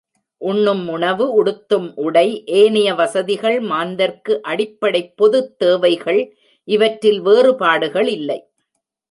உண்ணும் உணவு, உடுத்தும் உடை ஏனைய வசதிகள் மாந்தர்க்கு அடிப்படைப் பொதுக் தேவைகள் இவற்றில் வேறுபாடுகள் இல்லை.